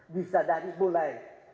bisa dari mulai